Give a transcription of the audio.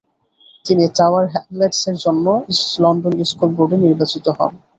তিনি Tower Hamlets এর জন্য লন্ডন স্কুল বোর্ডে নির্বাচিত হন।